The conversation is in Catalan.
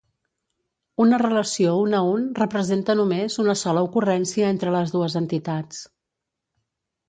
Una relació un a un representa només una sola ocurrència entre les dues entitats.